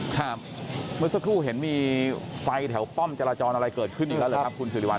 เมื่อสักครู่เห็นมีไฟแถวป้อมจราจรอะไรเกิดขึ้นอีกแล้วหรือครับคุณสิริวั